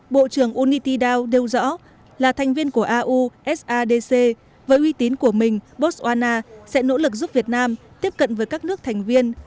bộ trưởng unity dow đều rõ là thành viên của au sadc với uy tín của mình botswana sẽ nỗ lực giúp việt nam tiếp cận với các nước thành viên